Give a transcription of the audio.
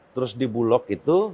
terus di bulog itu